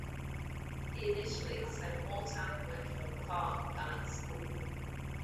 He initially spent more time working on the farm than at school.